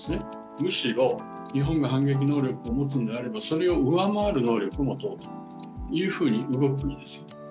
むしろ日本が反撃能力を持つのであればそれを上回る能力を持とうというふうに動くんですよ。